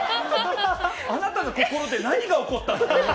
あなたの心で何が起こったの？